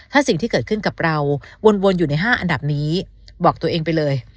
ถ้าสิ่งที่เกิดขึ้นกับเราวนอยู่ใน๕อันดับนี้บอกตัวเองไปเลย